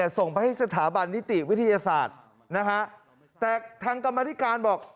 ส่งไปให้สถาบันนิติวิทยาศาสตร์นะฮะแต่ทางกรรมธิการบอก